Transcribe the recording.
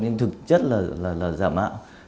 nhưng thực chất là giả mạo